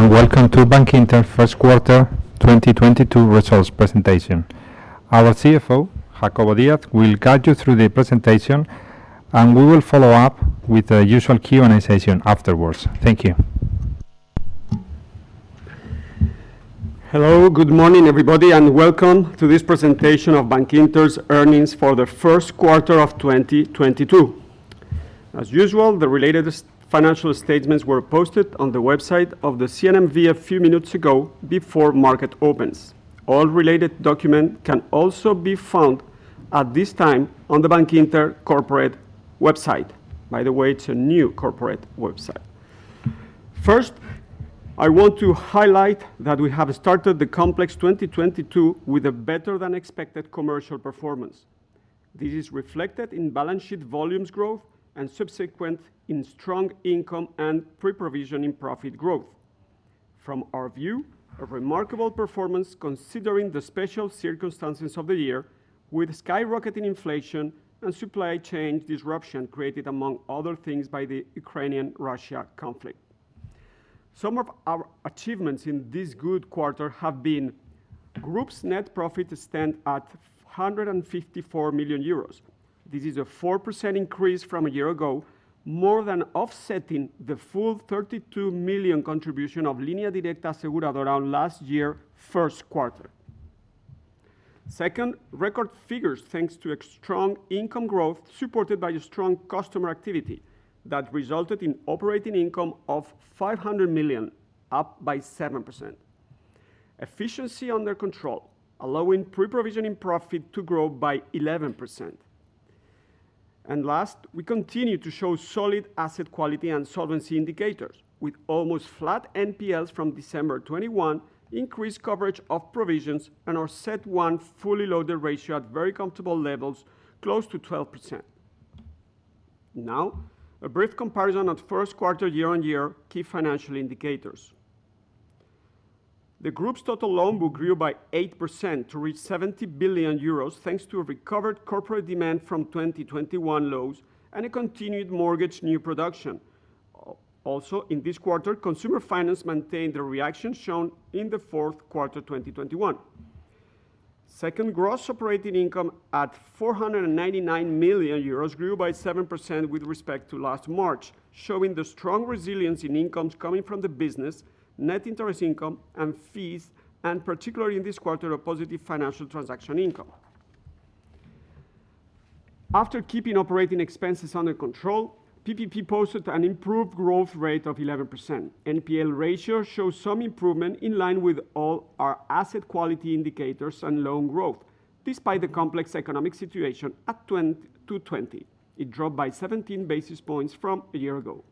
Good morning, everyone, and welcome to Bankinter first quarter 2022 results presentation. Our Chief Financial Officer, Jacobo Díaz, will guide you through the presentation, and we will follow up with the usual Q&A session afterwards. Thank you. Hello. Good morning, everybody, and welcome to this presentation of Bankinter's earnings for the first quarter of 2022. As usual, the related financial statements were posted on the website of the CNMV a few minutes ago before market opens. All related documents can also be found at this time on the Bankinter corporate website. By the way, it's a new corporate website. First, I want to highlight that we have started the complex 2022 with a better than expected commercial performance. This is reflected in balance sheet volumes growth and subsequent in strong income and pre-provision in profit growth. From our view, a remarkable performance considering the special circumstances of the year with skyrocketing inflation and supply chain disruption created, among other things, by the Ukrainian-Russia conflict. Some of our achievements in this good quarter have been group's net profit stand at 154 million euros. This is a 4% increase from a year ago, more than offsetting the full 32 million contribution of Línea Directa Aseguradora last year first quarter. Second, record figures, thanks to a strong income growth supported by a strong customer activity that resulted in operating income of 500 million, up by 7%. Efficiency under control, allowing pre-provision in profit to grow by 11%. Last, we continue to show solid asset quality and solvency indicators with almost flat NPLs from December 2021, increased coverage of provisions, and our CET1 fully loaded ratio at very comfortable levels, close to 12%. Now, a brief comparison of first quarter year-on-year key financial indicators. The group's total loan book grew by 8% to reach 70 billion euros, thanks to a recovered corporate demand from 2021 lows and a continued mortgage new production. Also, in this quarter, consumer finance maintained the reaction shown in the fourth quarter 2021. Second, gross operating income at 499 million euros grew by 7% with respect to last March, showing the strong resilience in incomes coming from the business, net interest income, and fees, and particularly in this quarter, a positive financial transaction income. After keeping operating expenses under control, PBT posted an improved growth rate of 11%. NPL ratio shows some improvement in line with all our asset quality indicators and loan growth, despite the complex economic situation in 2020. It dropped by 17 basis points from a year ago.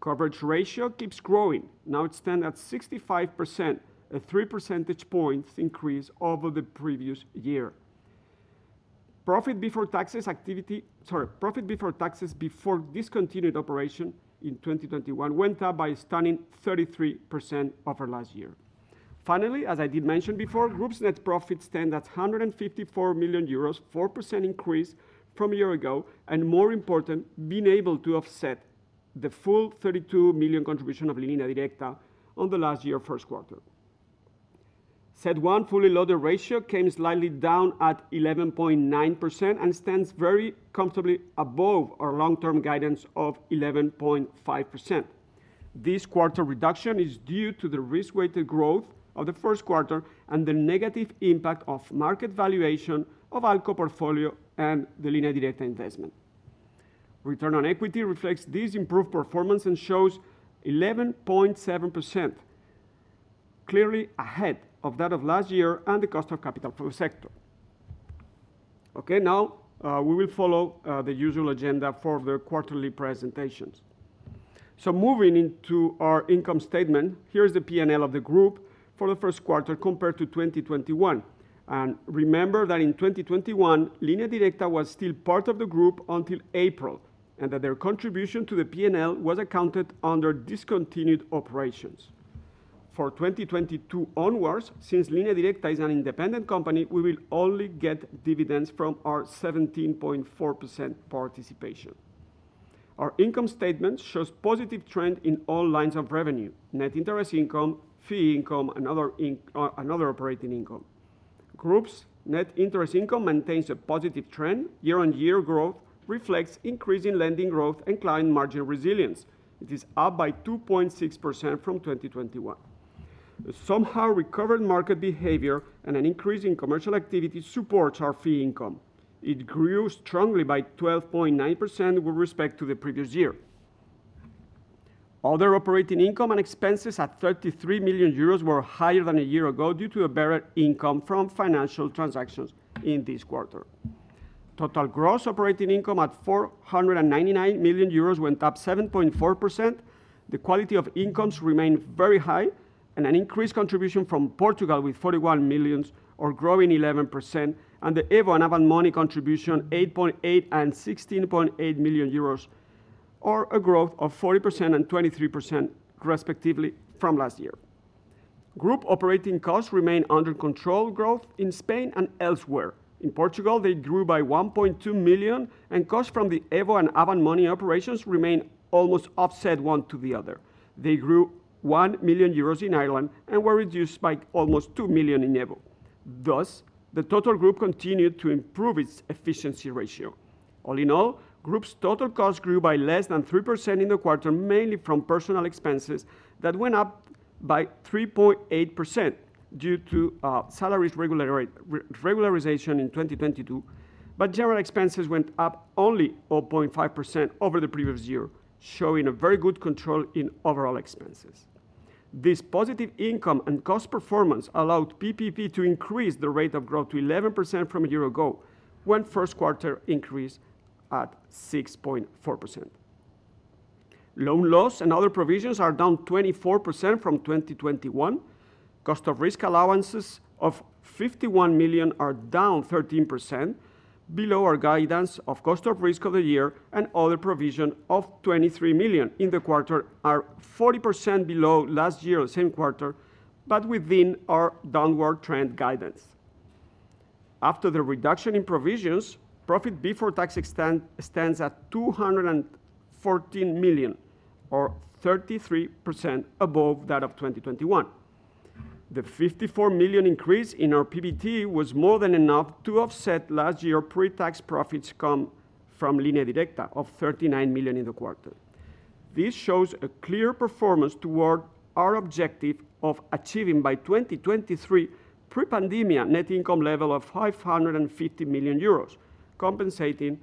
Coverage ratio keeps growing. Now it stands at 65%, a 3 percentage points increase over the previous year. Profit before taxes activity. Profit before taxes before discontinued operation in 2021 went up by a stunning 33% over last year. Finally, as I did mention before, group's net profit stand at 154 million euros, 4% increase from a year ago, and more important, being able to offset the full 32 million contribution of Línea Directa on the last year first quarter. CET1 fully loaded ratio came slightly down at 11.9% and stands very comfortably above our long-term guidance of 11.5%. This quarter reduction is due to the risk-weighted growth of the first quarter and the negative impact of market valuation of ALCO portfolio and the Línea Directa investment. Return on equity reflects this improved performance and shows 11.7%, clearly ahead of that of last year and the cost of capital for the sector. Okay, now, we will follow the usual agenda for the quarterly presentations. Moving into our income statement, here is the P&L of the group for the first quarter compared to 2021. Remember that in 2021, Línea Directa was still part of the group until April, and that their contribution to the P&L was accounted under discontinued operations. For 2022 onwards, since Línea Directa is an independent company, we will only get dividends from our 17.4% participation. Our income statement shows positive trend in all lines of revenue: Net Interest Income, fee income, and other operating income. Group's Net Interest Income maintains a positive trend. Year-on-year growth reflects increasing lending growth and client margin resilience. It is up by 2.6% from 2021. Recovered market behavior and an increase in commercial activity supports our fee income. It grew strongly by 12.9% with respect to the previous year. Other operating income and expenses at 33 million euros were higher than a year ago due to a better income from financial transactions in this quarter. Total gross operating income at 499 million euros went up 7.4%. The quality of incomes remained very high and an increased contribution from Portugal with 41 million, growing 11%, and the EVO and Avant Money contribution, 8.8 million and 16.8 million euros, or a growth of 40% and 23% respectively from last year. Group operating costs remain under control, growth in Spain and elsewhere. In Portugal, they grew by 1.2 million, and costs from the EVO and Avant Money operations remain almost offset one to the other. They grew 1 million euros in Ireland and were reduced by almost 2 million in EVO. Thus, the total group continued to improve its efficiency ratio. All in all, group's total cost grew by less than 3% in the quarter, mainly from personal expenses that went up by 3.8% due to salaries regularization in 2022. General expenses went up only 0.5% over the previous year, showing a very good control in overall expenses. This positive income and cost performance allowed PBT to increase the rate of growth to 11% from a year ago, when first quarter increase at 6.4%. Loan loss and other provisions are down 24% from 2021. Cost of risk allowances of 51 million are down 13% below our guidance of cost of risk of the year, and other provision of 23 million in the quarter are 40% below last year same quarter, but within our downward trend guidance. After the reduction in provisions, profit before tax ended at 214 million or 33% above that of 2021. The 54 million increase in our PBT was more than enough to offset last year pre-tax profits come from Línea Directa of 39 million in the quarter. This shows a clear performance toward our objective of achieving by 2023 pre-pandemic net income level of 550 million euros, compensating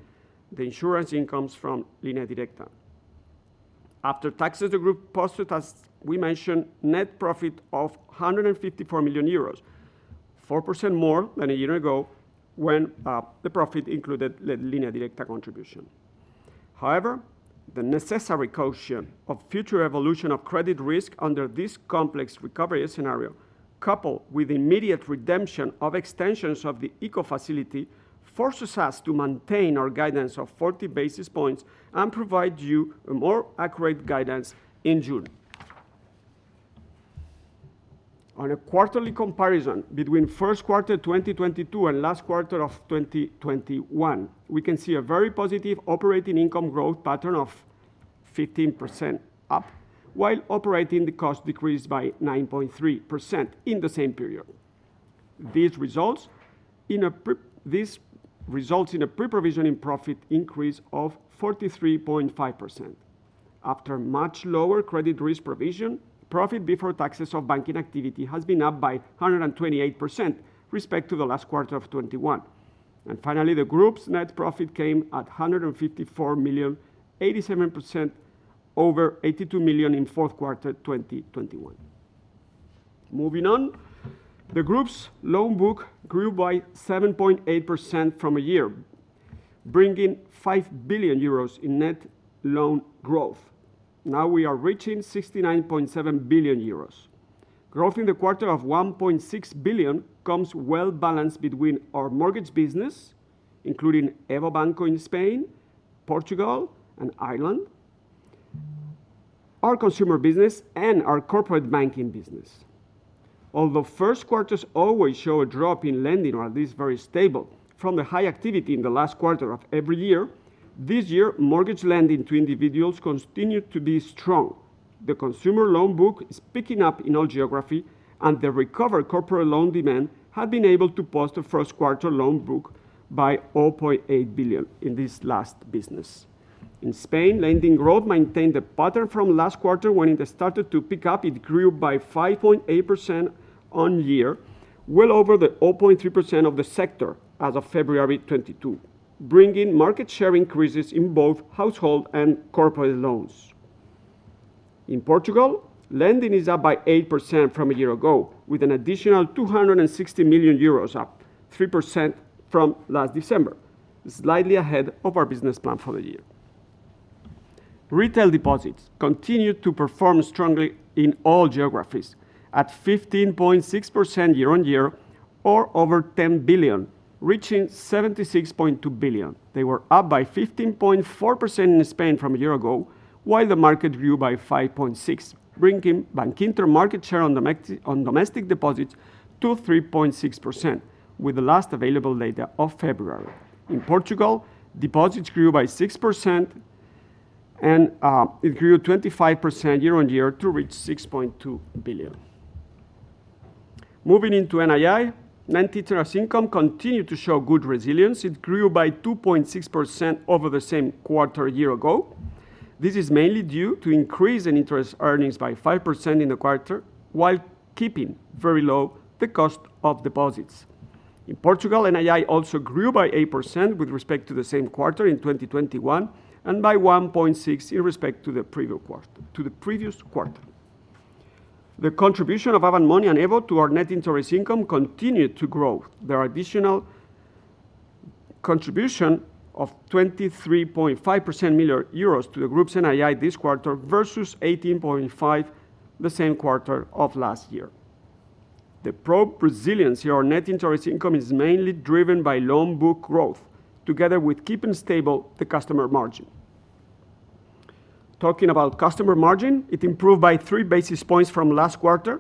the insurance incomes from Línea Directa. After taxes, the group posted, as we mentioned, net profit of 154 million euros, 4% more than a year ago when the profit included Línea Directa contribution. However, the necessary caution of future evolution of credit risk under this complex recovery scenario, coupled with immediate redemption of extensions of the ICO facility, forces us to maintain our guidance of 40 basis points and provide you a more accurate guidance in June. On a quarterly comparison between first quarter 2022 and last quarter of 2021, we can see a very positive operating income growth pattern of 15% up, while operating costs decreased by 9.3% in the same period. These results in a pre-provision profit increase of 43.5%. After much lower credit risk provision, profit before taxes of banking activity has been up by 128% with respect to the last quarter of 2021. Finally, the group's net profit came at 154 million, 87% over 82 million in fourth quarter 2021. Moving on, the group's loan book grew by 7.8% from a year, bringing 5 billion euros in net loan growth. Now we are reaching 69.7 billion euros. Growth in the quarter of 1.6 billion comes well-balanced between our mortgage business, including EVO Banco in Spain, Portugal, and Ireland, our consumer business, and our corporate banking business. Although first quarters always show a drop in lending or at least very stable from the high activity in the last quarter of every year, this year, mortgage lending to individuals continued to be strong. The consumer loan book is picking up in all geographies, and the recovered corporate loan demand had been able to post a first quarter loan book by 0.8 billion in this last business. In Spain, lending growth maintained the pattern from last quarter when it started to pick up. It grew by 5.8% year-on-year, well over the 0.3% of the sector as of February 2022, bringing market share increases in both household and corporate loans. In Portugal, lending is up by 8% from a year ago, with an additional 260 million euros, up 3% from last December, slightly ahead of our business plan for the year. Retail deposits continued to perform strongly in all geographies at 15.6% year-on-year or over 10 billion, reaching 76.2 billion. They were up by 15.4% in Spain from a year ago, while the market grew by 5.6%, bringing Bankinter market share on domestic deposits to 3.6%, with the last available data of February. In Portugal, deposits grew by 6% and it grew 25% year-on-year to reach 6.2 billion. Moving into NII, net interest income continued to show good resilience. It grew by 2.6% over the same quarter a year ago. This is mainly due to increase in interest earnings by 5% in the quarter, while keeping very low the cost of deposits. In Portugal, NII also grew by 8% with respect to the same quarter in 2021 and by 1.6% in respect to the previous quarter. The contribution of Avant Money and EVO to our net interest income continued to grow. The additional contribution of 23.5 million euros to the group's NII this quarter versus 18.5 million the same quarter of last year. The resiliency of our net interest income is mainly driven by loan book growth together with keeping stable the customer margin. Talking about customer margin, it improved by 3 basis points from last quarter,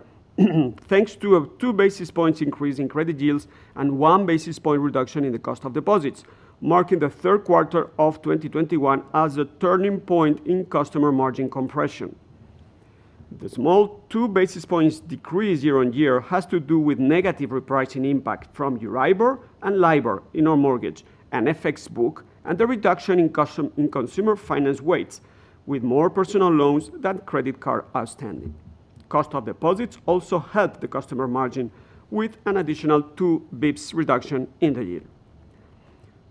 thanks to a 2 basis points increase in credit yields and 1 basis point reduction in the cost of deposits, marking the third quarter of 2021 as a turning point in customer margin compression. The small 2 basis points decrease year-on-year has to do with negative repricing impact from EURIBOR and LIBOR in our mortgage and FX book, and the reduction in consumer finance weights with more personal loans than credit card outstanding. Cost of deposits also helped the customer margin with an additional 2 basis points reduction in the year.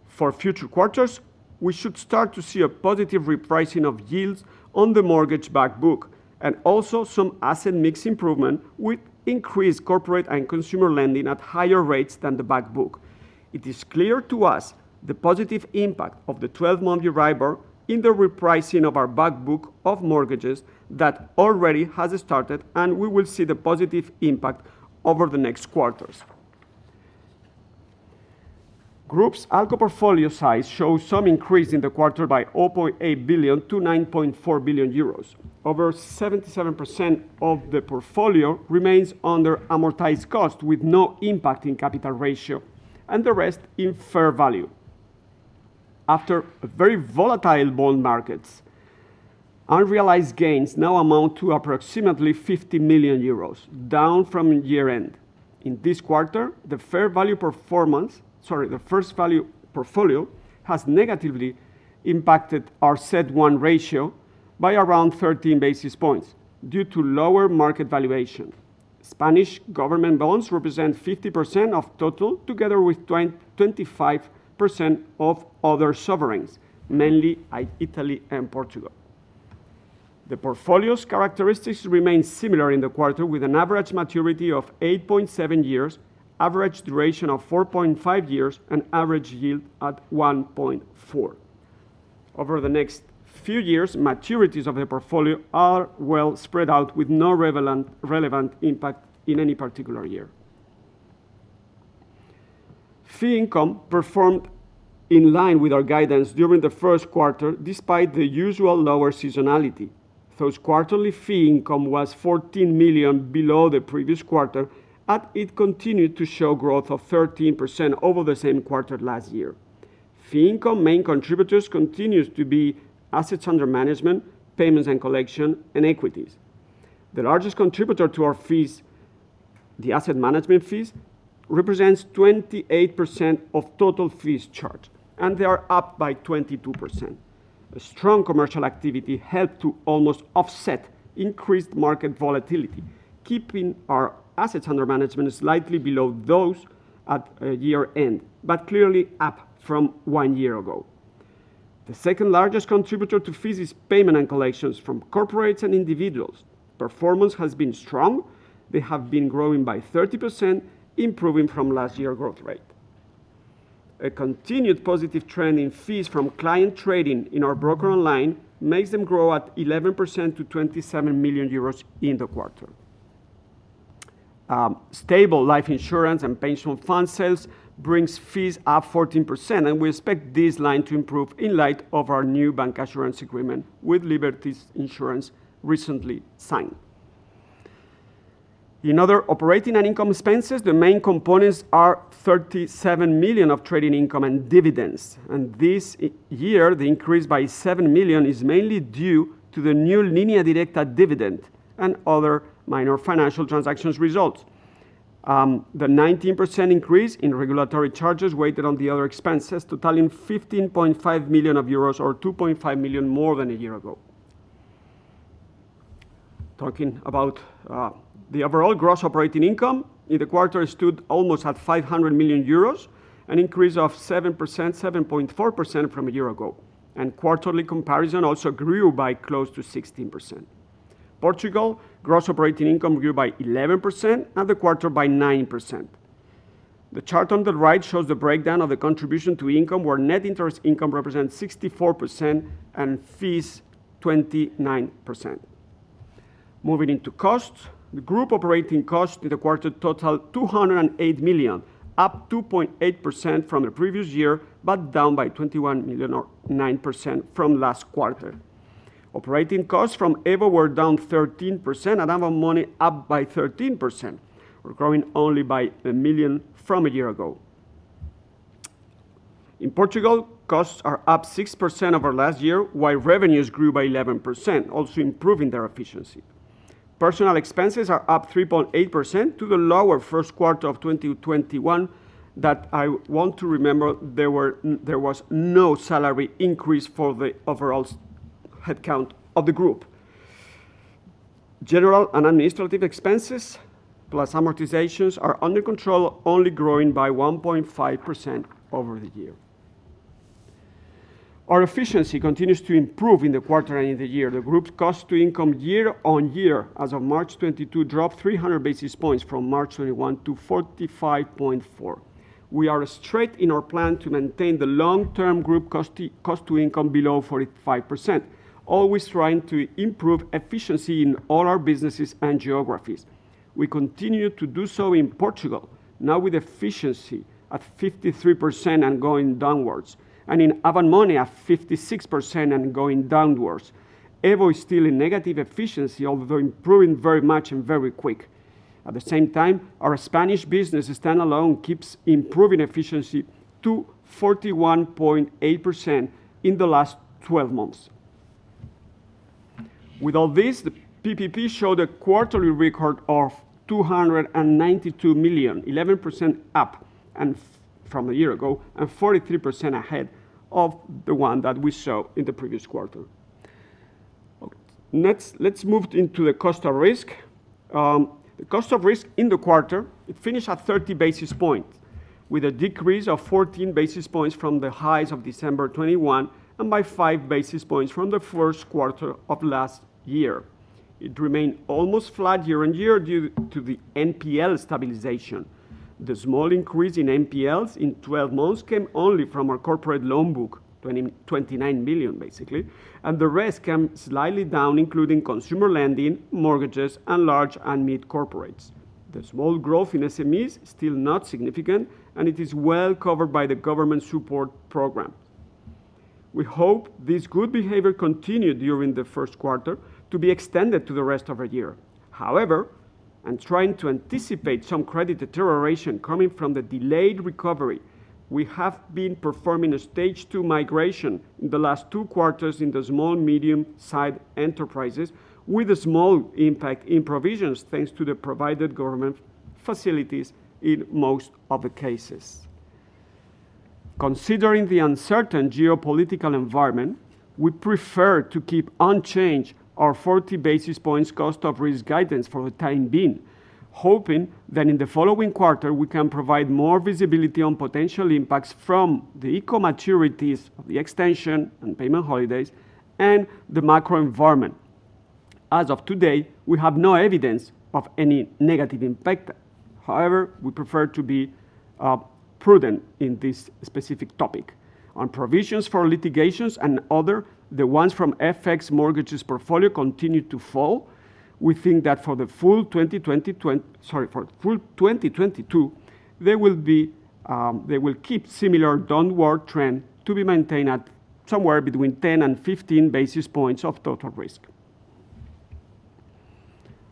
For future quarters, we should start to see a positive repricing of yields on the mortgage back book and also some asset mix improvement with increased corporate and consumer lending at higher rates than the back book. It is clear to us the positive impact of the 12-month EURIBOR in the repricing of our back book of mortgages that already has started, and we will see the positive impact over the next quarters. Group's ALCO portfolio size shows some increase in the quarter by 0.8 billion-9.4 billion euros. Over 77% of the portfolio remains under amortized cost with no impact in capital ratio and the rest in fair value. After very volatile bond markets, unrealized gains now amount to approximately 50 million euros, down from year-end. In this quarter, the fair value portfolio has negatively impacted our CET1 ratio by around 13 basis points due to lower market valuation. Spanish government bonds represent 50% of total, together with 25% of other sovereigns, mainly Italy and Portugal. The portfolio's characteristics remain similar in the quarter, with an average maturity of 8.7 years, average duration of 4.5 years, and average yield at 1.4x. Over the next few years, maturities of the portfolio are well spread out with no relevant impact in any particular year. Fee income performed in line with our guidance during the first quarter, despite the usual lower seasonality. Thus, quarterly fee income was 14 million below the previous quarter, but it continued to show growth of 13% over the same quarter last year. Fee income main contributors continues to be assets under management, payments and collection, and equities. The largest contributor to our fees, the asset management fees, represents 28% of total fees charged, and they are up by 22%. A strong commercial activity helped to almost offset increased market volatility, keeping our assets under management slightly below those at year-end but clearly up from one year ago. The second-largest contributor to fees is payment and collections from corporates and individuals. Performance has been strong. They have been growing by 30%, improving from last year growth rate. A continued positive trend in fees from client trading in our Bróker Online makes them grow at 11% to 27 million euros in the quarter. Stable life insurance and pension fund sales brings fees up 14%, and we expect this line to improve in light of our new bancassurance agreement with Liberty Seguros recently signed. In other operating and income expenses, the main components are 37 million of trading income and dividends, and this year, the increase by 7 million is mainly due to the new Línea Directa dividend and other minor financial transactions results. The 19% increase in regulatory charges weighed on the other expenses, totaling 15.5 million euros, or 2.5 million euros more than a year ago. Talking about the overall gross operating income in the quarter stood almost at 500 million euros, an increase of 7%, 7.4% from a year ago, and quarterly comparison also grew by close to 16%. Portugal gross operating income grew by 11% and the quarter by 9%. The chart on the right shows the breakdown of the contribution to income, where Net Interest Income represents 64% and fees 29%. Moving into costs, the group operating costs in the quarter totaled 208 million, up 2.8% from the previous year, but down by 21 million, or 9% from last quarter. Operating costs from EVO were down 13%, and Avant Money up by 13%. We're growing only by 1 million from a year ago. In Portugal, costs are up 6% over last year, while revenues grew by 11%, also improving their efficiency. Personnel expenses are up 3.8% from the lower first quarter of 2021 that I want to remember there was no salary increase for the overall headcount of the group. General and administrative expenses, plus amortizations, are under control, only growing by 1.5% over the year. Our efficiency continues to improve in the quarter and in the year. The group's cost-to-income year-on-year, as of March 2022, dropped 300 basis points from March 2021 to 45.4%. We are on track in our plan to maintain the long-term group cost-to-income below 45%, always trying to improve efficiency in all our businesses and geographies. We continue to do so in Portugal, now with efficiency at 53% and going downwards, and in Avant Money at 56% and going downwards. EVO is still in negative efficiency, although improving very much and very quick. At the same time, our Spanish business standalone keeps improving efficiency to 41.8% in the last twelve months. With all this, the PPP showed a quarterly record of 292 million, 11% up from a year ago, and 43% ahead of the one that we saw in the previous quarter. Next, let's move into the cost of risk. The cost of risk in the quarter finished at 30 basis points, with a decrease of 14 basis points from the highs of December 2021, and by 5 basis points from the first quarter of last year. It remained almost flat year-over-year due to the NPL stabilization. The small increase in NPLs in 12 months came only from our corporate loan book, 29 million, basically. The rest came slightly down, including consumer lending, mortgages, and large and mid corporates. The small growth in SMEs, still not significant, and it is well covered by the government support program. We hope this good behavior continued during the first quarter to be extended to the rest of the year. However, and trying to anticipate some credit deterioration coming from the delayed recovery, we have been performing a stage 2 migration in the last two quarters in the small and medium-sized enterprises with a small impact in provisions, thanks to the provided government facilities in most of the cases. Considering the uncertain geopolitical environment, we prefer to keep unchanged our 40 basis points cost of risk guidance for the time being, hoping that in the following quarter, we can provide more visibility on potential impacts from the ICO maturities of the extension and payment holidays and the macro environment. As of today, we have no evidence of any negative impact. However, we prefer to be prudent in this specific topic. On provisions for litigations and other, the ones from FX mortgages portfolio continue to fall. We think that for the full 2022, they will keep similar downward trend to be maintained at somewhere between 10 and 15 basis points of total risk.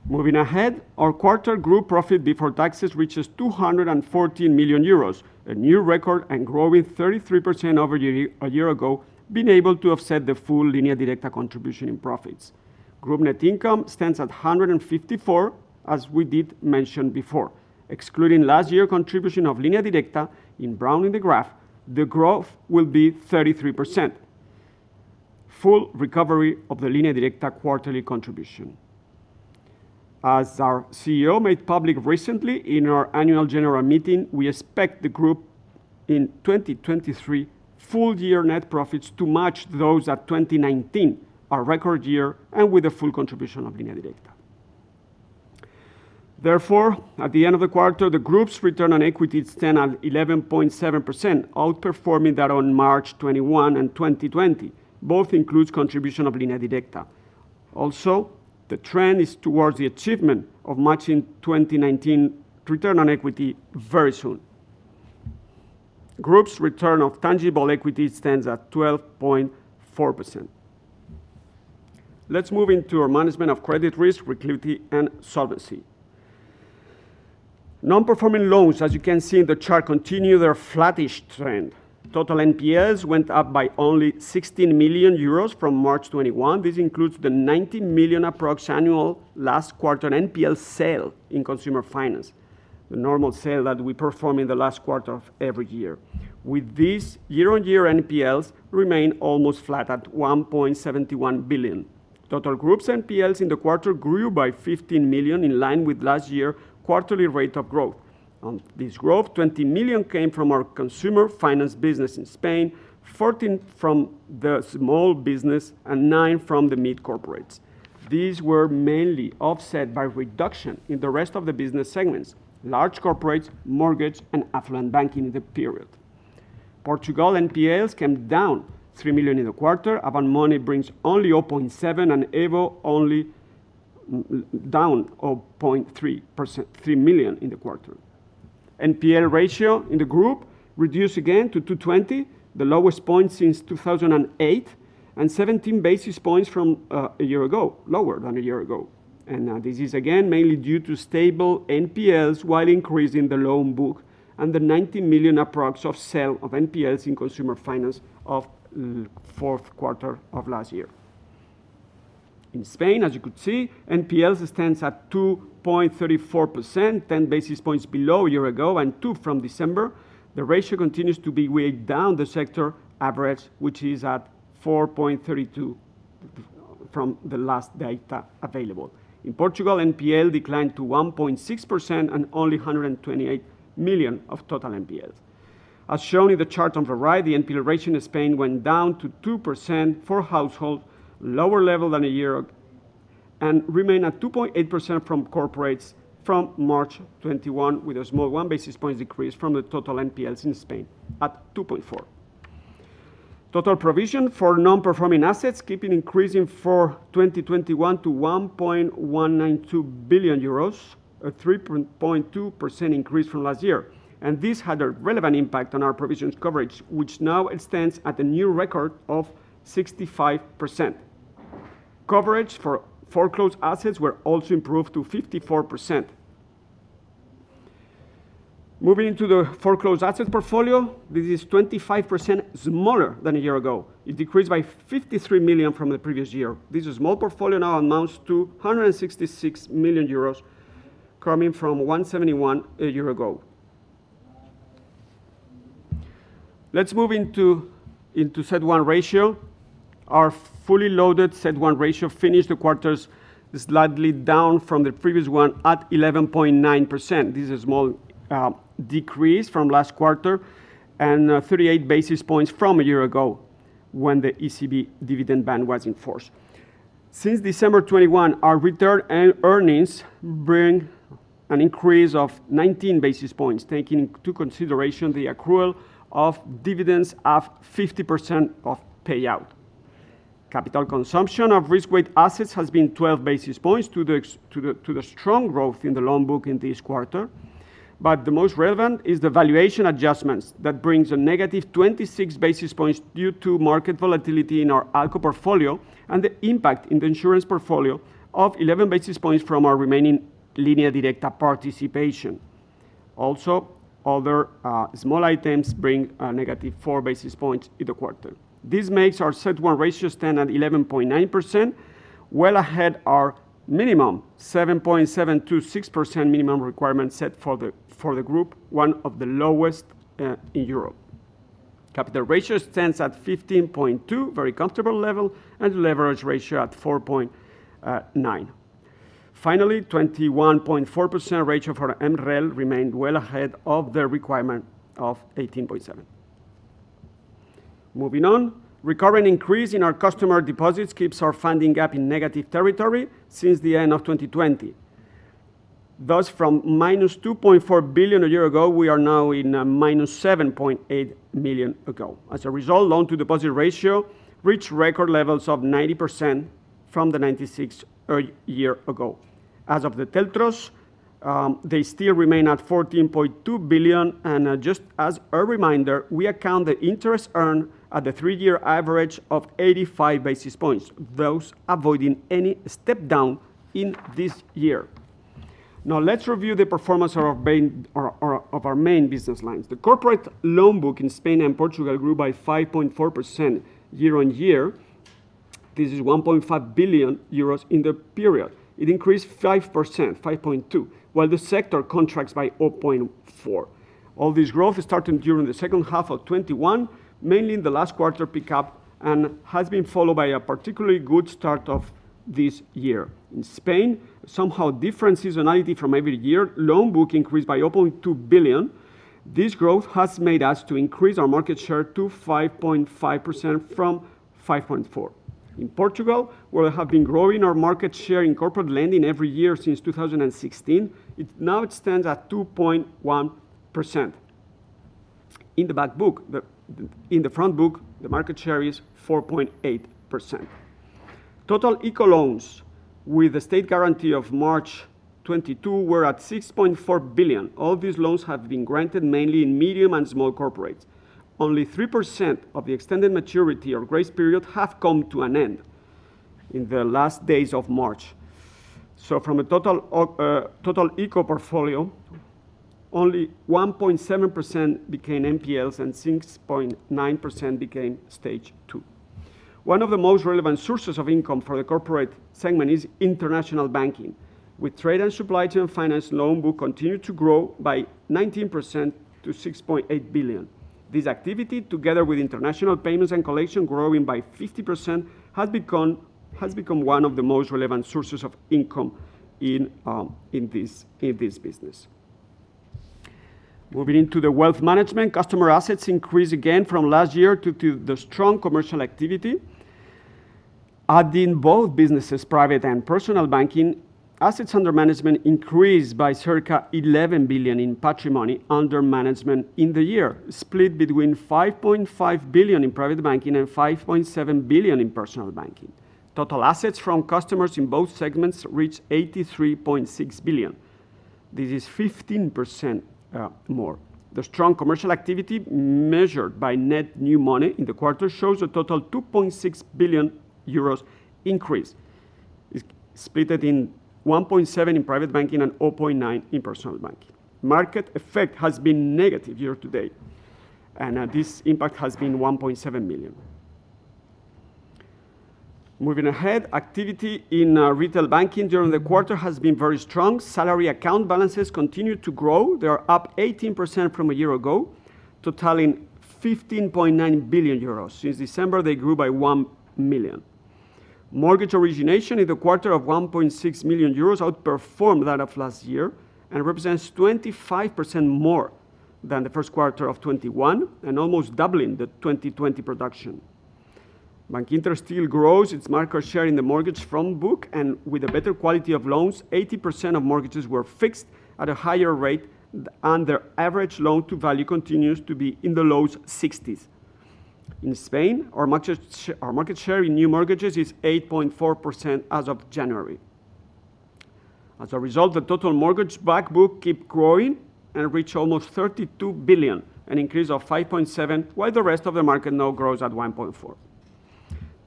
Moving ahead, our quarter group profit before taxes reaches 214 million euros, a new record and growing 33% over a year ago, being able to offset the full Línea Directa contribution in profits. Group net income stands at 154 million, as we did mention before. Excluding last year contribution of Línea Directa in brown in the graph, the growth will be 33%. Full recovery of the Línea Directa quarterly contribution. As our CEO made public recently in our annual general meeting, we expect the group in 2023 full year net profits to match those at 2019, our record year, and with the full contribution of Línea Directa. Therefore, at the end of the quarter, the group's return on equity stand at 11.7%, outperforming that on March 2021 and 2020. Both includes contribution of Línea Directa. The trend is towards the achievement of matching 2019 Return on Equity very soon. Group's Return on Tangible Equity stands at 12.4%. Let's move into our management of credit risk, liquidity, and solvency. Non-performing loans, as you can see in the chart, continue their flattish trend. Total NPLs went up by only 16 million euros from March 2021. This includes the 19 million approx annual last quarter NPL sale in consumer finance, the normal sale that we perform in the last quarter of every year. With this, year-on-year NPLs remain almost flat at 1.71 billion. Total Group's NPLs in the quarter grew by 15 million, in line with last year quarterly rate of growth. This growth, 20 million came from our consumer finance business in Spain, 14 million from the small business, and 9 million from the mid corporates. These were mainly offset by reduction in the rest of the business segments, large corporates, mortgage, and affluent banking in the period. Portugal NPLs came down 3 million in the quarter. Avant Money only 0.7%, and EVO only down 0.3%, 3 million in the quarter. NPL ratio in the group reduced again to 2.20%, the lowest point since 2008, and 17 basis points from a year ago, lower than a year ago. This is again mainly due to stable NPLs while increasing the loan book and the approx 19 million sale of NPLs in consumer finance of fourth quarter of last year. In Spain, as you could see, NPLs stands at 2.34%, 10 basis points below a year ago and 2 from December. The ratio continues to be way below the sector average, which is at 4.32% from the last data available. In Portugal, NPL declined to 1.6% and only 128 million of total NPLs. As shown in the chart on the right, the NPL ratio in Spain went down to 2% for household, lower level than a year ago and remains at 2.8% for corporates from March 2021, with a small 1 basis point decrease for the total NPLs in Spain at 2.4%. Total provision for non-performing assets kept increasing for 2021 to 1.192 billion euros, a 3.2% increase from last year. This had a relevant impact on our provisions coverage, which now extends at a new record of 65%. Coverage for foreclosed assets were also improved to 54%. Moving to the foreclosed asset portfolio, this is 25% smaller than a year ago. It decreased by 53 million from the previous year. This small portfolio now amounts to 166 million euros coming from 171 a year ago. Let's move into CET1 ratio. Our fully loaded CET1 ratio finished the quarters slightly down from the previous one at 11.9%. This is small decrease from last quarter and 38 basis points from a year ago when the ECB dividend ban was in force. Since December 2021, our return and earnings bring an increase of 19 basis points, taking into consideration the accrual of dividends of 50% of payout. Capital consumption of risk-weighted assets has been 12 basis points due to the strong growth in the loan book in this quarter. The most relevant is the valuation adjustments. That brings a negative 26 basis points due to market volatility in our ALCO portfolio and the impact in the insurance portfolio of 11 basis points from our remaining Línea Directa participation. Also, other small items bring a negative 4 basis points in the quarter. This makes our CET1 ratio stand at 11.9%, well ahead of our minimum 7.726% minimum requirement set for the group, one of the lowest in Europe. Capital ratio stands at 15.2, very comfortable level, and leverage ratio at 4.9. Finally, 21.4% ratio for MREL remained well ahead of the requirement of 18.7%. Moving on. Recovering increase in our customer deposits keeps our funding gap in negative territory since the end of 2020. Thus, from -2.4 billion a year ago, we are now in -7.8 billion. As a result, loan-to-deposit ratio reached record levels of 90% from 96% a year ago. As of the TLTROs, they still remain at 14.2 billion. Just as a reminder, we account the interest earned at the three-year average of 85 basis points, thus avoiding any step down in this year. Now, let's review the performance of our main business lines. The corporate loan book in Spain and Portugal grew by 5.4% year-on-year. This is 1.5 billion euros in the period. It increased 5%, 5.2%, while the sector contracts by 0.4. This growth started during the second half of 2021, mainly in the last quarter pick-up, and has been followed by a particularly good start of this year. In Spain, somehow different seasonality from every year, loan book increased by 0.2 billion. This growth has made us to increase our market share to 5.5% from 5.4. In Portugal, where we have been growing our market share in corporate lending every year since 2016, it now stands at 2.1%. In the front book, the market share is 4.8%. Total ICO loans with a state guarantee of March 2022 were at 6.4 billion. All these loans have been granted mainly in medium and small corporates. Only 3% of the extended maturity or grace period have come to an end in the last days of March. From a total ICO portfolio, only 1.7% became NPLs and 6.9% became Stage 2. One of the most relevant sources of income for the corporate segment is international banking, with trade and supply chain finance loan book continued to grow by 19% to 6.8 billion. This activity, together with international payments and collection growing by 50%, has become one of the most relevant sources of income in this business. Moving into the wealth management, customer assets increased again from last year due to the strong commercial activity. Adding both businesses, private and personal banking, assets under management increased by circa 11 billion in patrimony under management in the year, split between 5.5 billion in private banking and 5.7 billion in personal banking. Total assets from customers in both segments reached 83.6 billion. This is 15% more. The strong commercial activity, measured by net new money in the quarter, shows a total 2.6 billion euros increase. It's split in 1.7 billion in private banking and 0.9 billion in personal banking. Market effect has been negative year to date, and this impact has been 1.7 million. Moving ahead. Activity in retail banking during the quarter has been very strong. Salary account balances continued to grow. They are up 18% from a year ago, totaling 15.9 billion euros. Since December, they grew by 1 million. Mortgage origination in the quarter of 1.6 million euros outperformed that of last year and represents 25% more than the first quarter of 2021 and almost doubling the 2020 production. Bankinter still grows its market share in the mortgage front book. With a better quality of loans, 80% of mortgages were fixed at a higher rate, and their average loan-to-value continues to be in the low 60s. In Spain, our market share in new mortgages is 8.4% as of January. As a result, the total mortgage backbook keep growing and reach almost 32 billion, an increase of 5.7 billion, while the rest of the market now grows at 1.4%.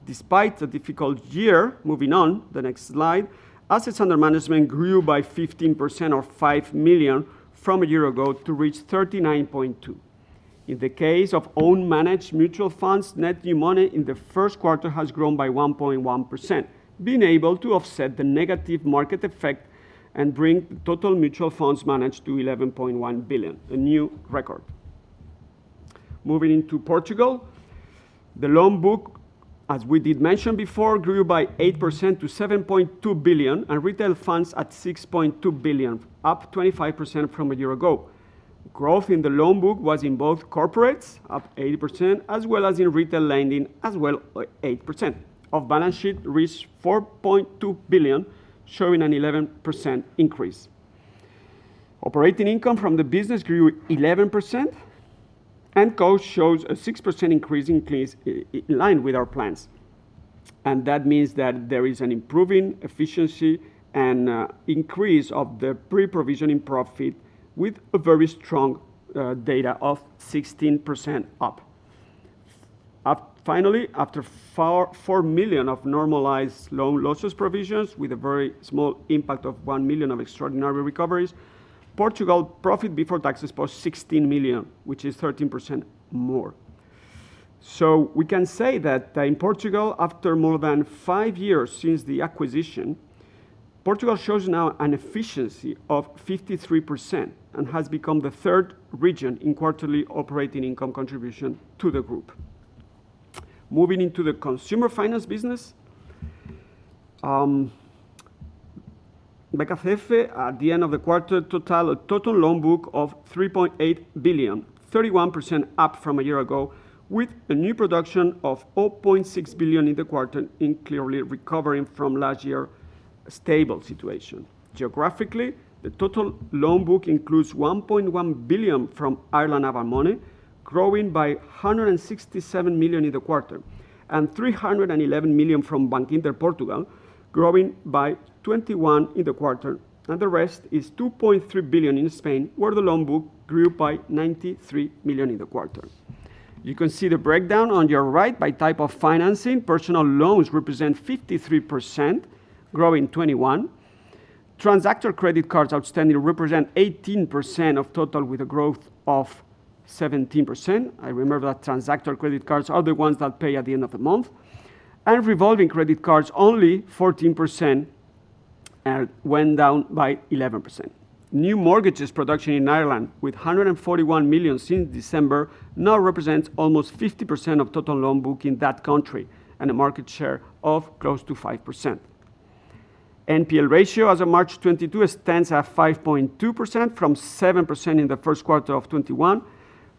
Despite the difficult year, moving on, the next slide, assets under management grew by 15% or 5 million from a year ago to reach 39.2 million. In the case of own managed mutual funds, net new money in the first quarter has grown by 1.1%, being able to offset the negative market effect and bring total mutual funds managed to 11.1 billion, a new record. Moving into Portugal, the loan book, as we did mention before, grew by 8% to 7.2 billion and retail funds at 6.2 billion, up 25% from a year ago. Growth in the loan book was in both corporates, up 80%, as well as in retail lending as well, 8%. Off-balance-sheet reached 4.2 billion, showing an 11% increase. Operating income from the business grew 11%, and cost shows a 6% increase in line with our plans. That means that there is an improving efficiency and increase of the pre-provision profit with a very strong data of 16% up. Finally, after 4 million of normalized loan loss provisions with a very small impact of 1 million of extraordinary recoveries, Portugal profit before tax posts 16 million, which is 13% more. We can say that in Portugal, after more than five years since the acquisition, Portugal shows now an efficiency of 53% and has become the third region in quarterly operating income contribution to the group. Moving into the consumer finance business, Bankinter Consumer Finance, at the end of the quarter, total loan book of 3.8 billion, 31% up from a year ago, with a new production of 4.6 billion in the quarter. It's clearly recovering from last year stable situation. Geographically, the total loan book includes 1.1 billion from Ireland Avant Money, growing by 167 million in the quarter, and 311 million from Bankinter Portugal, growing by 21 million in the quarter, and the rest is 2.3 billion in Spain, where the loan book grew by 93 million in the quarter. You can see the breakdown on your right by type of financing. Personal loans represent 53%, growing 21%. Transactor credit cards outstanding represent 18% of total with a growth of 17%. I remember that transactor credit cards are the ones that pay at the end of the month. Revolving credit cards, only 14%, went down by 11%. New mortgages production in Ireland with 141 million since December now represents almost 50% of total loan book in that country and a market share of close to 5%. NPL ratio as of March 2022 stands at 5.2% from 7% in the first quarter of 2021.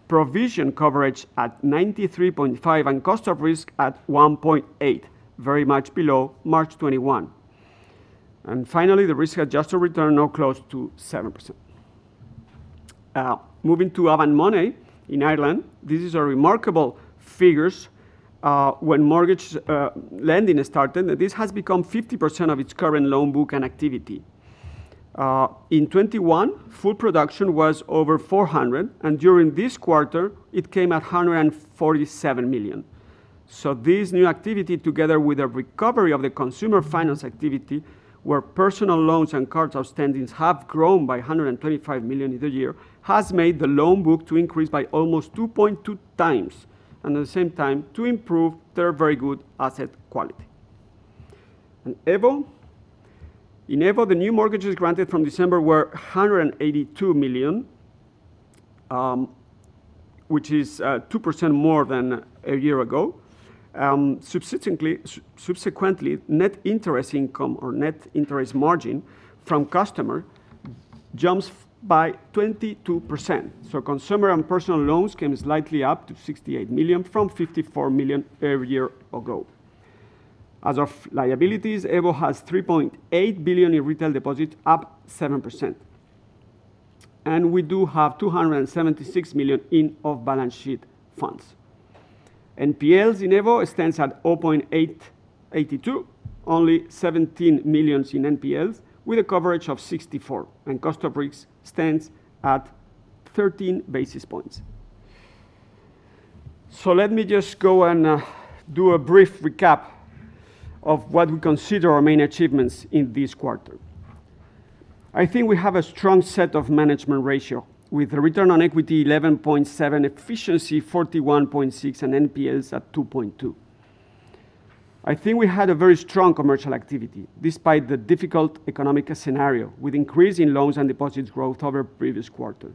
Provision coverage at 93.5%, and cost of risk at 1.8%, very much below March 2021. Finally, the risk-adjusted return now close to 7%. Moving to Avant Money in Ireland, this is remarkable figures when mortgage lending started. This has become 50% of its current loan book and activity. In 2021, full production was over 400, and during this quarter, it came at 147 million. This new activity, together with a recovery of the consumer finance activity, where personal loans and card outstandings have grown by 125 million in the year, has made the loan book to increase by almost 2.2x, and at the same time, to improve their very good asset quality. In EVO, the new mortgages granted from December were 182 million, which is 2% more than a year ago. Subsequently, net interest income or net interest margin from customer jumps by 22%. Consumer and personal loans came slightly up to 68 million from 54 million a year ago. As of liabilities, EVO has 3.8 billion in retail deposits, up 7%. We do have 276 million in off-balance sheet funds. NPLs in Evo stands at 0.882, only 17 million in NPLs, with a coverage of 64%, and cost of risk stands at 13 basis points. Let me just go and do a brief recap of what we consider our main achievements in this quarter. I think we have a strong set of management ratio with a return on equity 11.7%, efficiency 41.6%, and NPLs at 2.2%. I think we had a very strong commercial activity despite the difficult economic scenario with increase in loans and deposits growth over previous quarter.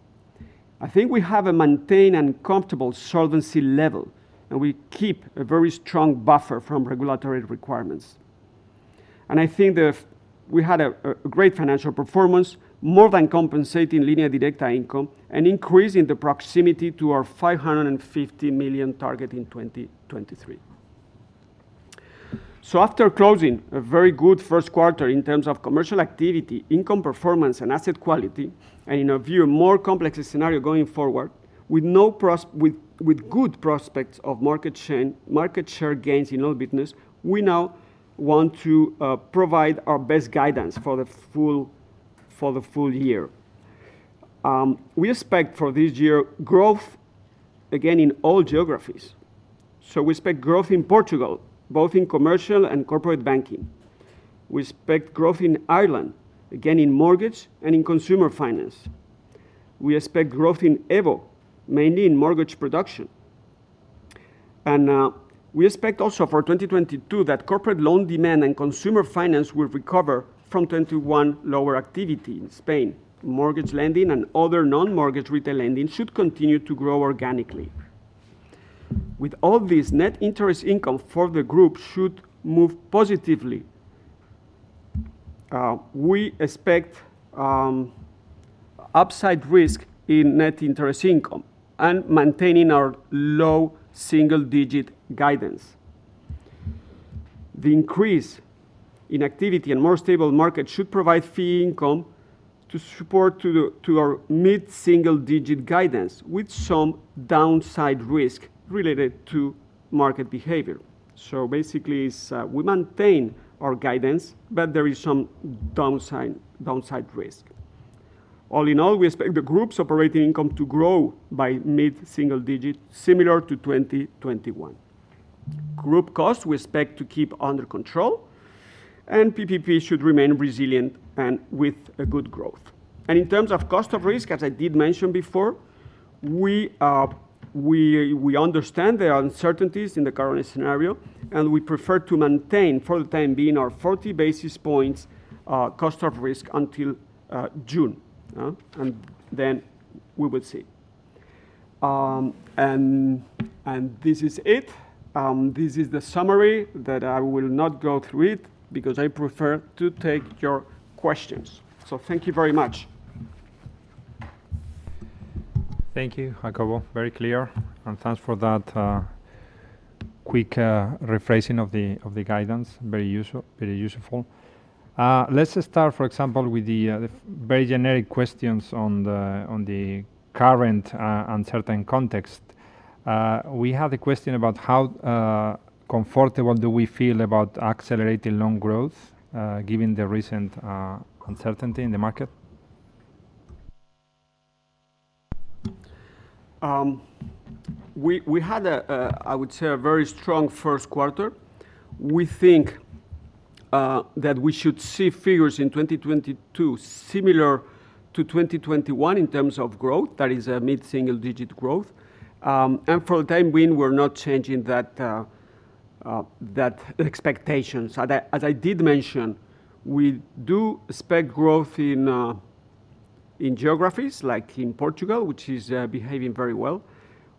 I think we have a maintained and comfortable solvency level, and we keep a very strong buffer from regulatory requirements. I think we had a great financial performance, more than compensating Línea Directa income and increasing the proximity to our 550 million target in 2023. After closing a very good first quarter in terms of commercial activity, income performance, and asset quality, and in a more complex scenario going forward, with good prospects of market share gains in all business, we now want to provide our best guidance for the full year. We expect for this year growth again in all geographies. We expect growth in Portugal, both in commercial and corporate banking. We expect growth in Ireland, again in mortgage and in consumer finance. We expect growth in EVO, mainly in mortgage production. We expect also for 2022 that corporate loan demand and consumer finance will recover from 2021 lower activity in Spain. Mortgage lending and other non-mortgage retail lending should continue to grow organically. With all this, net interest income for the group should move positively. We expect upside risk in net interest income and maintaining our low single-digit guidance. The increase in activity and more stable market should provide fee income to support our mid-single digit guidance with some downside risk related to market behavior. Basically, we maintain our guidance, but there is some downside risk. All in all, we expect the group's operating income to grow by mid-single digit, similar to 2021. Group costs we expect to keep under control, and PPP should remain resilient and with a good growth. In terms of cost of risk, as I did mention before, we understand there are uncertainties in the current scenario, and we prefer to maintain for the time being our 40 basis points cost of risk until June. Then we will see. This is it. This is the summary that I will not go through it because I prefer to take your questions. Thank you very much. Thank you, Jacobo. Very clear. Thanks for that quick rephrasing of the guidance. Very useful. Let's just start, for example, with the very generic questions on the current uncertain context. We have a question about how comfortable do we feel about accelerating loan growth given the recent uncertainty in the market? We had a very strong first quarter. We think that we should see figures in 2022 similar to 2021 in terms of growth, that is a mid-single digit growth. For the time being, we're not changing that expectation. As I did mention, we do expect growth in geographies like in Portugal, which is behaving very well.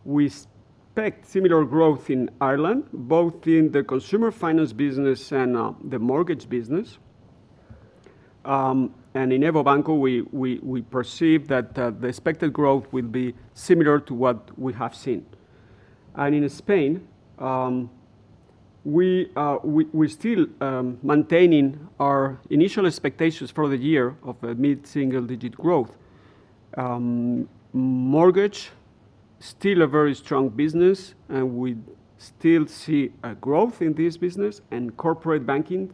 We expect similar growth in Ireland, both in the consumer finance business and the mortgage business. In EVO Banco, we perceive that the expected growth will be similar to what we have seen. In Spain, we're still maintaining our initial expectations for the year of a mid-single digit growth. Mortgage still a very strong business, and we still see a growth in this business. Corporate banking,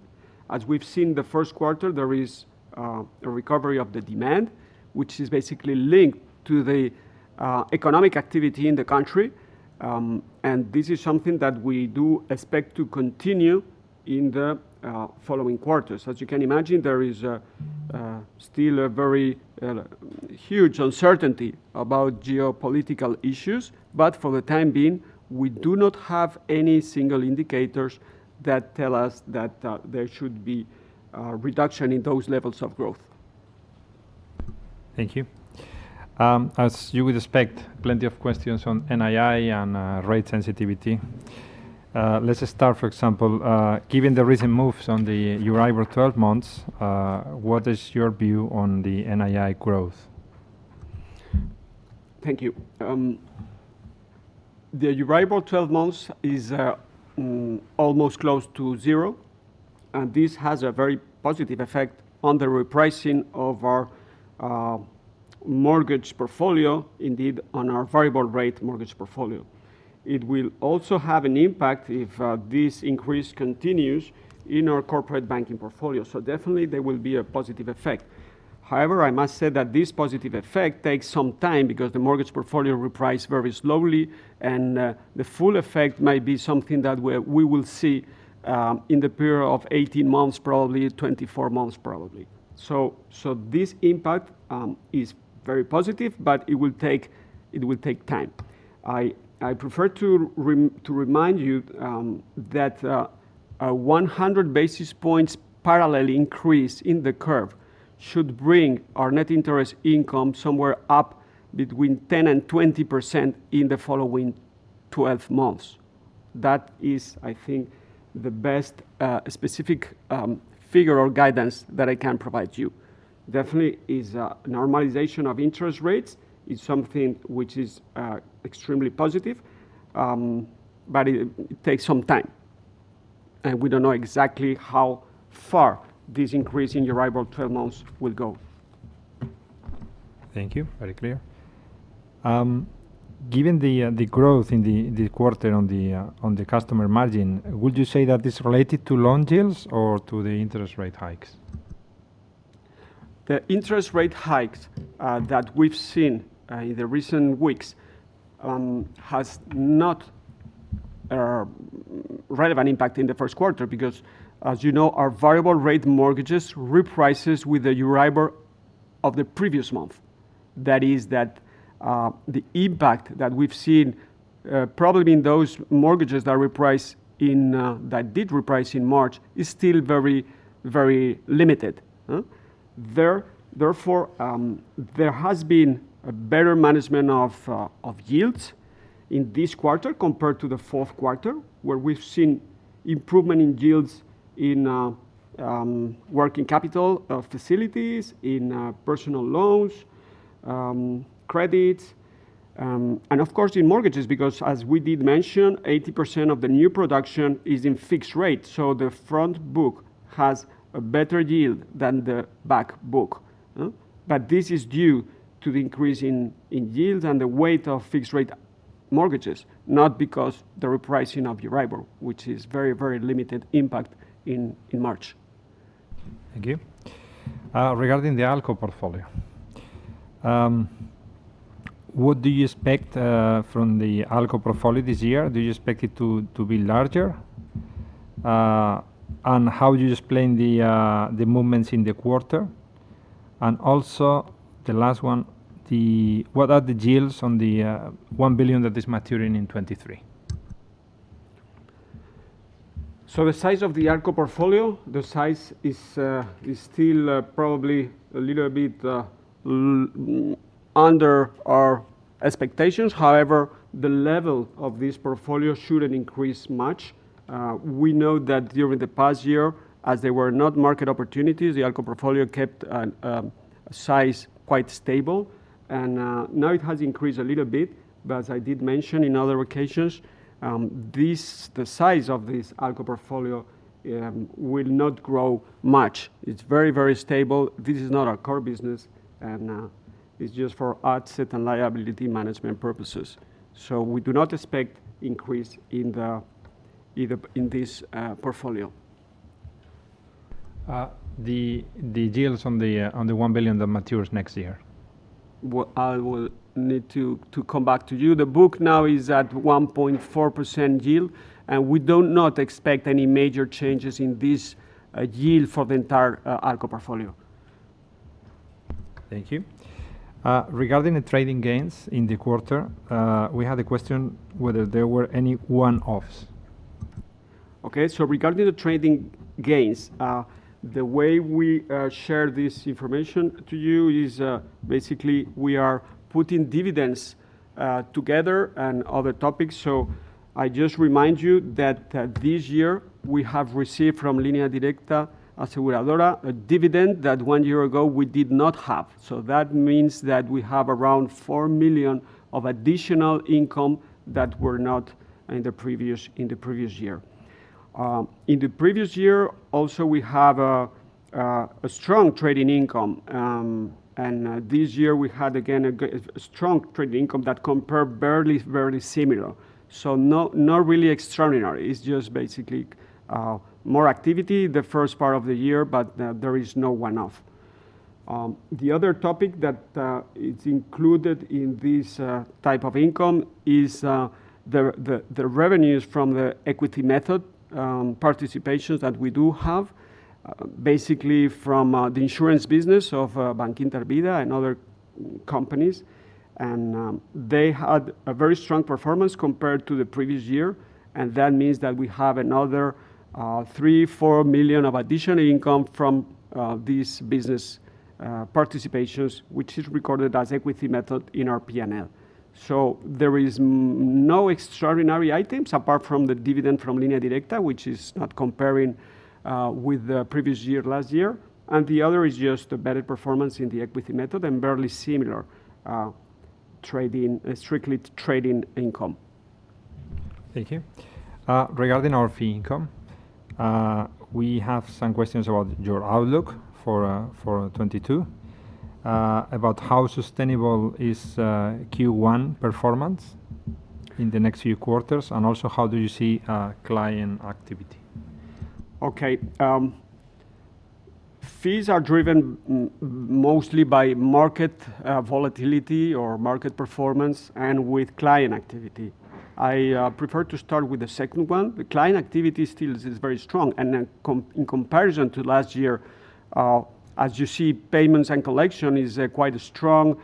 as we've seen the first quarter, there is a recovery of the demand, which is basically linked to the economic activity in the country. This is something that we do expect to continue in the following quarters. As you can imagine, there is still a very huge uncertainty about geopolitical issues, but for the time being, we do not have any single indicators that tell us that there should be a reduction in those levels of growth. Thank you. As you would expect, plenty of questions on NII and rate sensitivity. Let's just start, for example, given the recent moves on the Euribor 12 months, what is your view on the NII growth? Thank you. The Euribor 12 months is almost close to zero, and this has a very positive effect on the repricing of our mortgage portfolio, indeed on our variable rate mortgage portfolio. It will also have an impact if this increase continues in our corporate banking portfolio, so definitely there will be a positive effect. However, I must say that this positive effect takes some time because the mortgage portfolio reprice very slowly, and the full effect might be something that we will see in the period of 18 months probably, 24 months probably. This impact is very positive, but it will take time. I prefer to remind you that a 100 basis points parallel increase in the curve should bring our Net Interest Income somewhere up between 10%-20% in the following 12 months. That is, I think, the best specific figure or guidance that I can provide you. Definitely, a normalization of interest rates is something which is extremely positive, but it takes some time, and we don't know exactly how far this increase in Euribor 12 months will go. Thank you. Very clear. Given the growth in the quarter on the customer margin, would you say that is related to loan deals or to the interest rate hikes? The interest rate hikes that we've seen in the recent weeks has not relevant impact in the first quarter because, as you know, our variable rate mortgages reprices with the Euribor of the previous month. The impact that we've seen probably in those mortgages that did reprice in March is still very, very limited. Therefore, there has been a better management of yields in this quarter compared to the fourth quarter, where we've seen improvement in yields in working capital facilities, in personal loans, credits, and of course, in mortgages because as we did mention, 80% of the new production is in fixed rate. The front book has a better yield than the back book. This is due to the increase in yield and the weight of fixed-rate mortgages, not because the repricing of Euribor, which is very, very limited impact in March. Thank you. Regarding the ALCO portfolio, what do you expect from the ALCO portfolio this year? Do you expect it to be larger? And how you explain the movements in the quarter? Also, the last one. What are the deals on the 1 billion that is maturing in 2023? The size of the ALCO portfolio is still probably a little bit under our expectations. However, the level of this portfolio shouldn't increase much. We know that during the past year, as there were not market opportunities, the ALCO portfolio kept size quite stable. Now it has increased a little bit, but as I did mention in other occasions, this, the size of this ALCO portfolio, will not grow much. It's very stable. This is not our core business, and it's just for asset and liability management purposes. We do not expect increase in the either in this portfolio. The deals on the 1 billion that matures next year. Well, I will need to come back to you. The book now is at 1.4% yield, and we do not expect any major changes in this yield for the entire ALCO portfolio. Thank you. Regarding the trading gains in the quarter, we had a question whether there were any one-offs. Okay. Regarding the trading gains, the way we share this information to you is basically we are putting dividends together and other topics. I just remind you that this year we have received from Línea Directa Aseguradora a dividend that one year ago we did not have. That means that we have around 4 million of additional income that were not in the previous year. In the previous year also we have a strong trading income. This year we had again a strong trading income that compare barely, very similar. Not really extraordinary. It's just basically more activity the first part of the year, but there is no one-off. The other topic that is included in this type of income is the revenues from the equity method participations that we do have, basically from the insurance business of Bankinter Vida and other companies. They had a very strong performance compared to the previous year, and that means that we have another 3 million-4 million of additional income from this business participations, which is recorded as equity method in our P&L. There is no extraordinary items apart from the dividend from Línea Directa, which is not comparable with the previous year, last year, and the other is just a better performance in the equity method and barely similar trading, strictly trading income. Thank you. Regarding our fee income, we have some questions about your outlook for 2022, about how sustainable is Q1 performance in the next few quarters, and also how do you see client activity? Okay. Fees are driven mostly by market volatility or market performance and with client activity. I prefer to start with the second one. The client activity still is very strong, and then in comparison to last year, as you see, payments and collection is quite strong.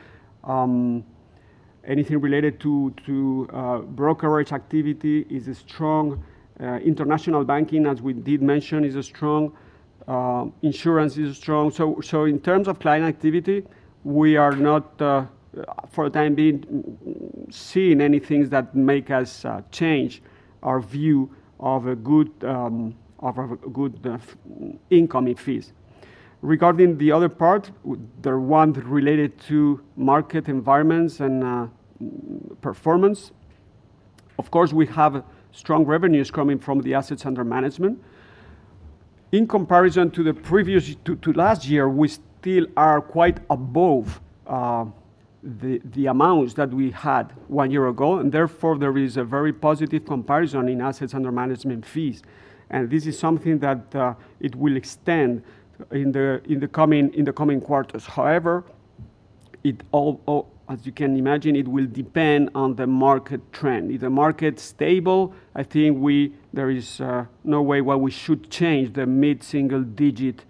Anything related to brokerage activity is strong. International banking, as we did mention, is strong. Insurance is strong. So in terms of client activity, we are not, for the time being, seeing anything that make us change our view of a good income in fees. Regarding the other part, the one related to market environments and performance. Of course, we have strong revenues coming from the assets under management. In comparison to the previous... Compared to last year, we still are quite above the amounts that we had one year ago, and therefore, there is a very positive comparison in assets under management fees, and this is something that it will extend in the coming quarters. However, as you can imagine, it will depend on the market trend. If the market's stable, I think there is no way where we should change the mid-single digit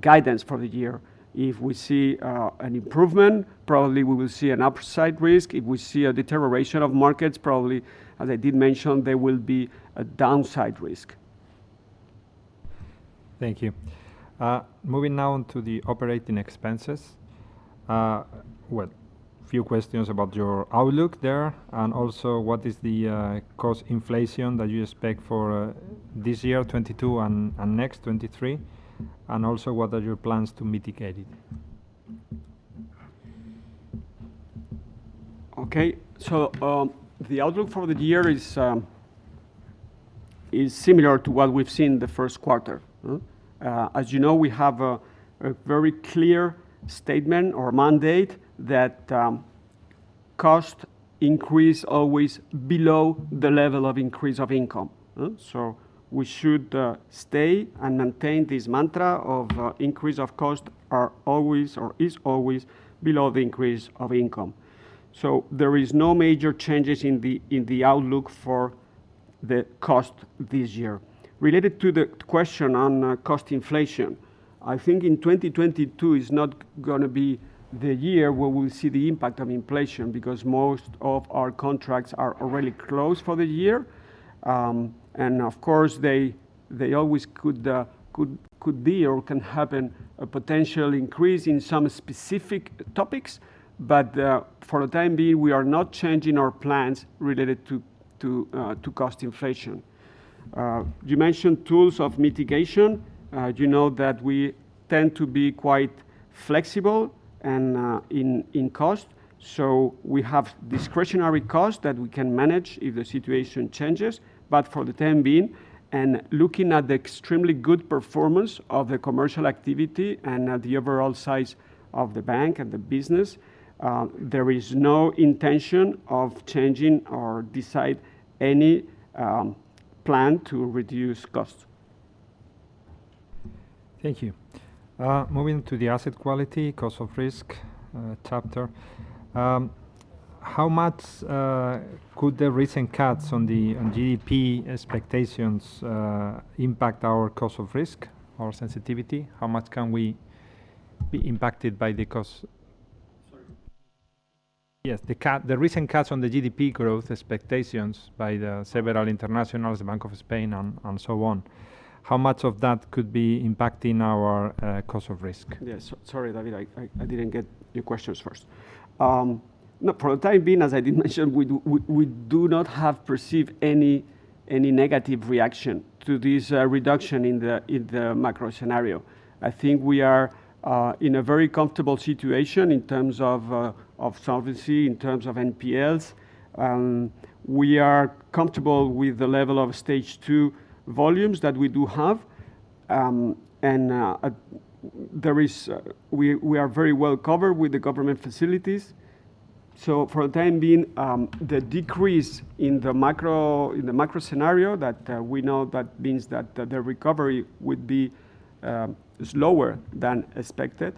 guidance for the year. If we see an improvement, probably we will see an upside risk. If we see a deterioration of markets, probably, as I did mention, there will be a downside risk. Thank you. Moving now into the operating expenses. A few questions about your outlook there, and also what is the cost inflation that you expect for this year, 2022, and next, 2023, and also what are your plans to mitigate it? Okay. The outlook for the year is similar to what we've seen the first quarter, huh? As you know, we have a very clear statement or mandate that cost increase always below the level of increase of income, huh? We should stay and maintain this mantra of increase of cost are always or is always below the increase of income. There is no major changes in the outlook for the cost this year. Related to the question on cost inflation, I think in 2022 is not gonna be the year where we'll see the impact of inflation, because most of our contracts are already closed for the year. Of course, they always could be or can happen a potential increase in some specific topics, but for the time being, we are not changing our plans related to cost inflation. You mentioned tools of mitigation. You know that we tend to be quite flexible and in cost, so we have discretionary costs that we can manage if the situation changes. For the time being, and looking at the extremely good performance of the commercial activity and at the overall size of the bank and the business, there is no intention of changing or decide any plan to reduce cost. Thank you. Moving to the asset quality, cost of risk chapter, how much could the recent cuts on GDP expectations impact our cost of risk or sensitivity? How much can we be impacted by the cost- Sorry? Yes, the recent cuts on the GDP growth expectations by the several internationals, the Bank of Spain and so on, how much of that could be impacting our cost of risk? Sorry, David. I didn't get your question first. No, for the time being, as I did mention, we do not perceive any negative reaction to this reduction in the macro scenario. I think we are in a very comfortable situation in terms of solvency, in terms of NPLs, and we are comfortable with the level of Stage 2 volumes that we do have. We are very well covered with the government facilities. For the time being, the decrease in the macro scenario that we know means that the recovery would be slower than expected.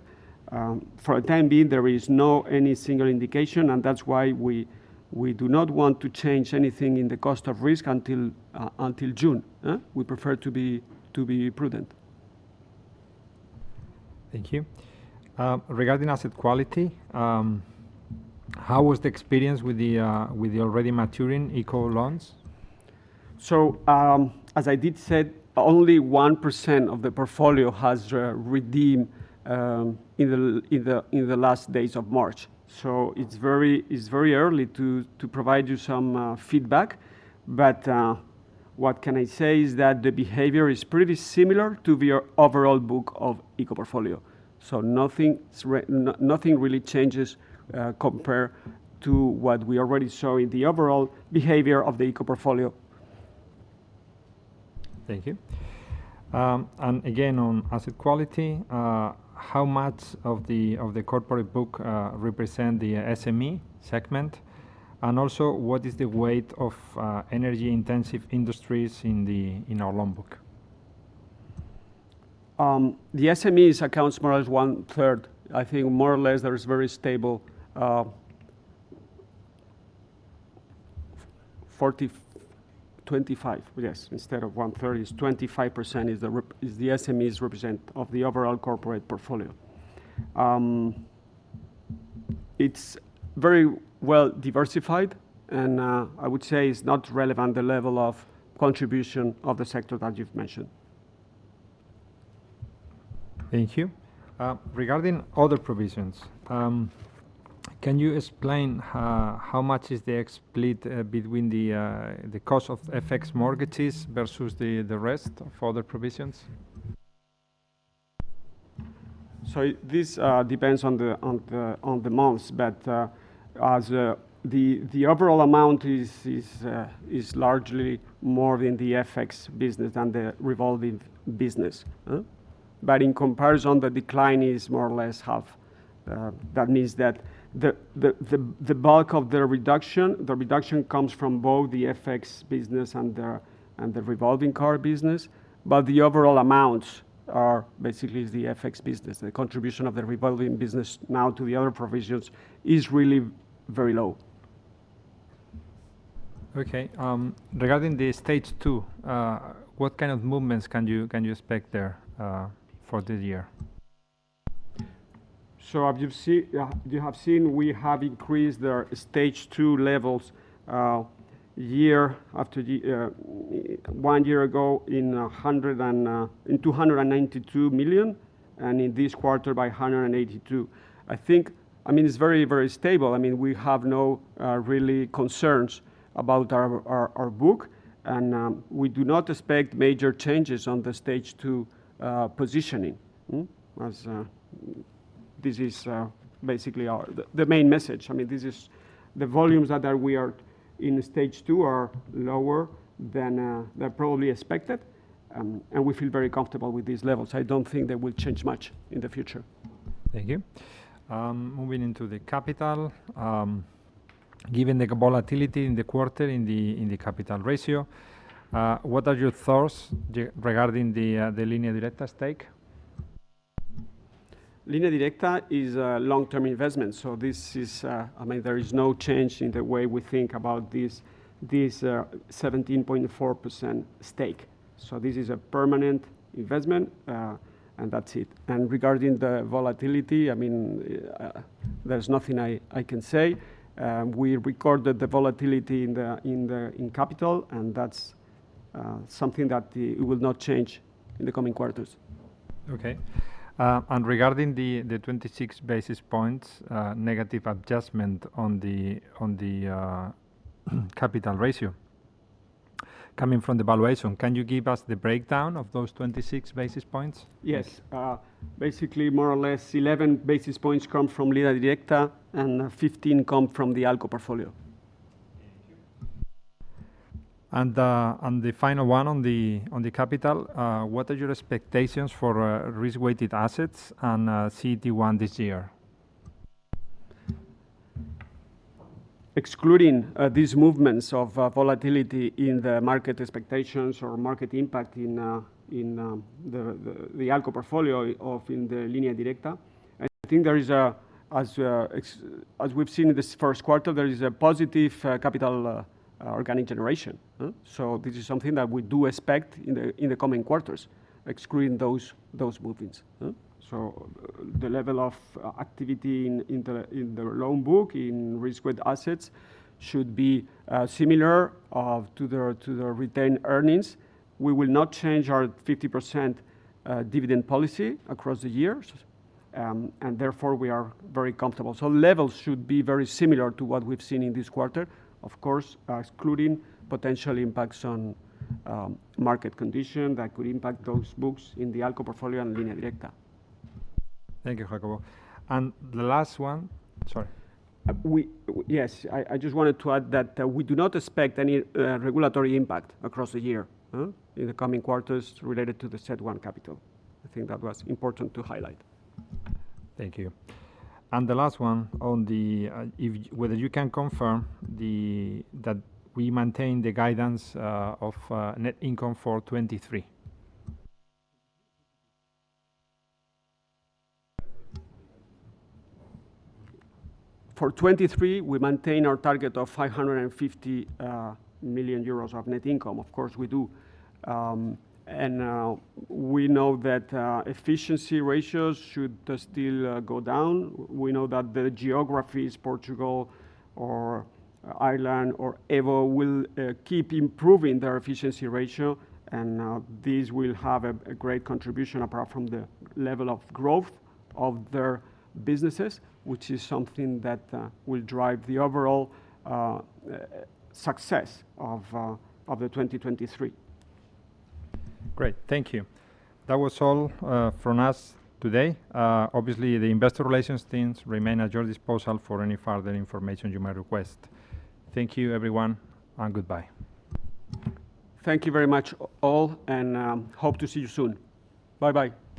For the time being, there is no any single indication, and that's why we do not want to change anything in the cost of risk until June. We prefer to be prudent. Thank you. Regarding asset quality, how was the experience with the already maturing ICO loans? As I said, only 1% of the portfolio has redeemed in the last days of March. It's very early to provide you some feedback. What can I say is that the behavior is pretty similar to the overall book of ICO portfolio. Nothing really changes compared to what we already show in the overall behavior of the ICO portfolio. Thank you. Again, on asset quality, how much of the corporate book represent the SME segment? Also, what is the weight of energy-intensive industries in our loan book? The SMEs accounts more or less one-third. I think more or less there is very stable, 25%, yes, instead of one-third. It's 25% the SMEs represent of the overall corporate portfolio. It's very well diversified, and I would say it's not relevant, the level of contribution of the sector that you've mentioned. Thank you. Regarding other provisions, can you explain how much is the split between the cost of FX mortgages versus the rest of other provisions? This depends on the months, but the overall amount is largely more in the FX business than the revolving business. In comparison, the decline is more or less half. That means that the bulk of the reduction comes from both the FX business and the revolving card business, but the overall amounts are basically the FX business. The contribution of the revolving business now to the other provisions is really very low. Okay. Regarding the Stage 2, what kind of movements can you expect there for this year? You have seen, we have increased our Stage 2 levels from 100 million-292 million, and in this quarter by 182 million. I think it's very, very stable. I mean, we have no real concerns about our book, and we do not expect major changes on the Stage 2 positioning. This is basically our main message. I mean, the volumes that are in Stage 2 are lower than probably expected, and we feel very comfortable with these levels. I don't think they will change much in the future. Thank you. Moving into the capital, given the volatility in the quarter, in the capital ratio, what are your thoughts regarding the Línea Directa stake? Línea Directa is a long-term investment, so this is, I mean, there is no change in the way we think about this 17.4% stake. This is a permanent investment, and that's it. Regarding the volatility, I mean, there's nothing I can say. We recorded the volatility in the capital, and that's something that will not change in the coming quarters. Okay. Regarding the 26 basis points negative adjustment on the capital ratio coming from the valuation, can you give us the breakdown of those 26 basis points? Yes. Basically more or less 11 basis points come from Línea Directa, and 15 come from the ALCO portfolio. Thank you. The final one on the capital, what are your expectations for risk-weighted assets on CET1 this year? Excluding these movements of volatility in the market expectations or market impact in the ALCO portfolio of in the Línea Directa, I think there is a, as we've seen in this first quarter, there is a positive capital organic generation. This is something that we do expect in the coming quarters, excluding those movements. The level of activity in the loan book, in risk-weighted assets should be similar to the retained earnings. We will not change our 50% dividend policy across the years, and therefore, we are very comfortable. Levels should be very similar to what we've seen in this quarter, of course, excluding potential impacts on market conditions that could impact those books in the ALCO portfolio and Línea Directa. Thank you, Jacobo. The last one. Sorry. Yes. I just wanted to add that we do not expect any regulatory impact across the year in the coming quarters related to the CET1 capital. I think that was important to highlight. Thank you. The last one on whether you can confirm that we maintain the guidance of net income for 2023. For 2023, we maintain our target of 550 million euros of net income. Of course, we do. We know that efficiency ratios should still go down. We know that the geographies, Portugal or Ireland or EVO, will keep improving their efficiency ratio. This will have a great contribution apart from the level of growth of their businesses, which is something that will drive the overall success of 2023. Great. Thank you. That was all from us today. Obviously, the investor relations teams remain at your disposal for any further information you might request. Thank you, everyone, and goodbye. Thank you very much, all, and hope to see you soon. Bye-bye.